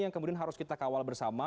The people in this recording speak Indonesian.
yang kemudian harus kita kawal bersama